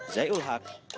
zai ul haq bandung